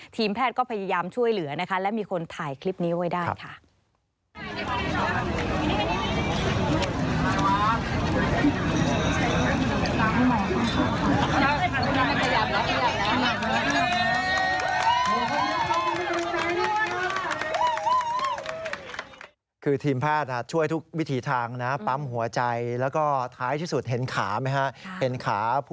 ทีมแพทย์ก็พยายามช่วยเหลือนะคะและมีคนถ่ายคลิปนี้ไว้ได้ค่ะ